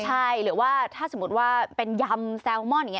ใช่หรือว่าถ้าสมมุติว่าเป็นยำแซลมอนอย่างนี้